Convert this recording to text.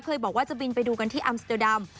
บอกว่าจะบินไปดูกันที่อัมสเตอร์ดัม